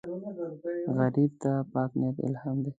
غریب ته پاک نیت الهام دی